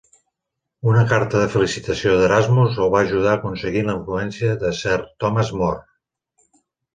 Una carta de felicitació d'Erasmus el va ajudar a aconseguir la influència de Sir Thomas More.